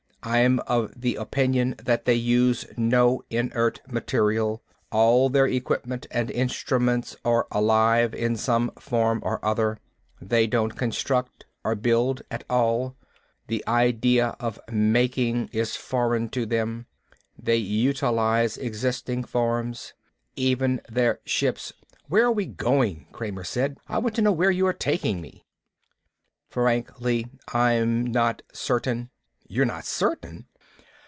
I'm of the opinion that they use no inert material. All their equipment and instruments are alive, in some form or other. They don't construct or build at all. The idea of making is foreign to them. They utilize existing forms. Even their ships " "Where are we going?" Kramer said. "I want to know where you are taking me." "Frankly, I'm not certain." "You're not certain?"